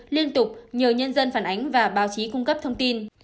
liên tục nhờ nhân dân phản ánh và báo chí cung cấp thông tin